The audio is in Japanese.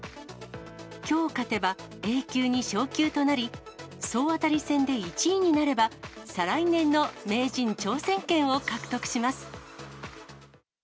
きょう勝てば、Ａ級に昇給となり、総当たり戦で１位になれば、再来年の名人挑戦権を獲得します。